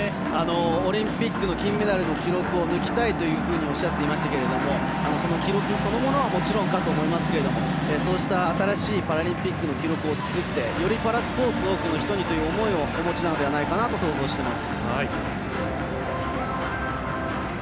オリンピックの金メダルの記録を抜きたいとおっしゃっていましたけれどもその記録そのものはもちろんかと思いますがそうした新しいパラリンピックの記録を作ってよりパラスポーツを多くの人にという思いをお持ちなのではないかなと想像しています。